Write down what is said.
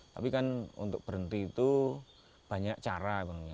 tapi kan untuk berhenti itu banyak cara bang